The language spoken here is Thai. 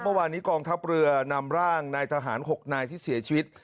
เมื่อวานนี้กองทัพเรือนำร่างนายทหาร๖นายที่เสียชีวิต